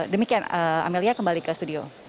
demikian amel ya kembali ke studio